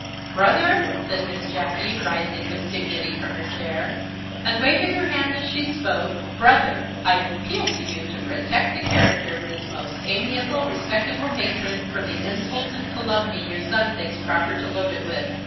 "Brother," said Miss Jacky, rising with dignity from her chair, and waving her hand as she spoke "brother, I appeal to you to protect the character of this most amiable, respectable matron from the insults and calumny your son thinks proper to load it with.